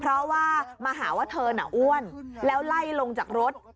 เพราะว่ามาหาว่าเธอน่ะอ้วนแล้วไล่ลงจากรถ